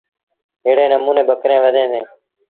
ايڙي نموٚني ٻڪريݩ وڌيٚن ديٚݩ۔